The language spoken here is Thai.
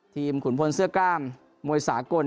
ขุนพลเสื้อกล้ามมวยสากล